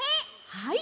はい。